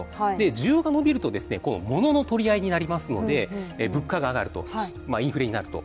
需要が伸びると、モノの取り合いになりますので物価が上がると、インフレになると。